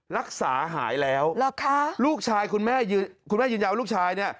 รักษาหายแล้วลูกชายคุณแม่ยืนยาวลูกชายเนี่ย